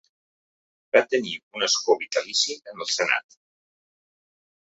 Va tenir un escó vitalici en el Senat.